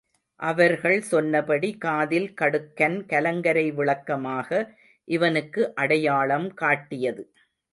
அவர்கள் சொன்னபடி காதில் கடுக்கன் கலங்கரை விளக்கமாக இவனுக்கு அடையாளம் காட்டியது.